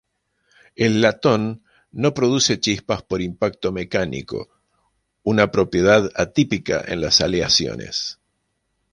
El latón no produce chispas por impacto mecánico, una propiedad atípica en las aleaciones.